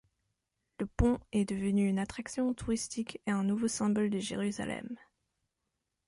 Le pont est devenu une attraction touristique et un nouveau symbole de Jérusalem.